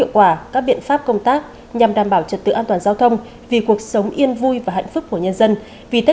từ công tác khám cấp phát thuốc điều trị